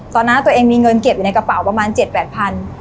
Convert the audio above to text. ตอนนั้นตัวเองมีเงินเก็บอยู่ในกระเป๋าประมาณ๗๘๐๐บาท